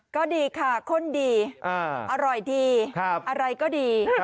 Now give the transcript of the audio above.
ก็ดีค่ะข้นดีอร่อยดีอะไรก็ดี